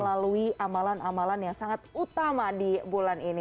melalui amalan amalan yang sangat utama di bulan ini